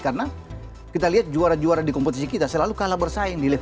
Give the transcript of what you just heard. karena kita lihat juara juara di kompetisi kita selalu kalah bersaing